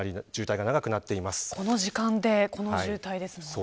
この時間でこの渋滞ですもんね。